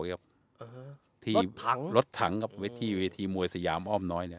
รถถังรถถังวิธีมวยสยามอ้อมน้อย